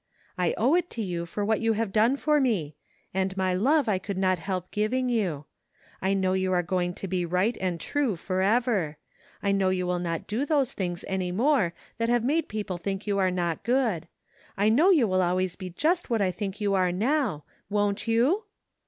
I owe it to you for what you have done for me — and my love I could not help giving you. I know you are going to be right and true forever; I know you will not do those things any more that have made people think you were not good — I know you will always be just what I think you are now, won't you?